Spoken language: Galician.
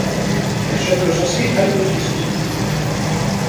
E exemplos así hai moitísimos.